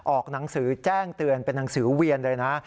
ออกหนังสือแจ้งเตือนเป็นหนังสือเวียนเลยนะ